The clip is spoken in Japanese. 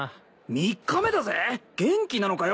３日目だぜ元気なのかよ？